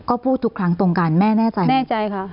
ก็พูดทุกครั้งตรงกันแม่แน่ใจไหม